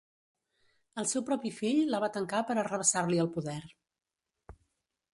El seu propi fill la va tancar per arrabassar-li el poder.